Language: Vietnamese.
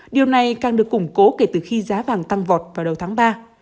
điều này càng được củng cố kể từ khi giá vàng tăng vọt vào đầu tháng ba